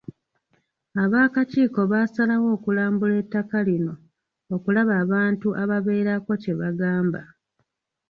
Ab'akakiiko baasalawo okulambula ettaka lino okulaba abantu ababeerako kye bagamba.